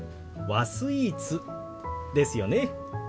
和スイーツですよね。